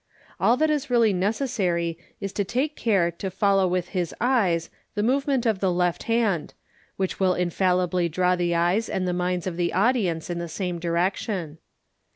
All that is really necessary is to take care to follow with hh eyes the movement of the left hand, which will infallibly draw the eyes and the minds of the audience in the same direction.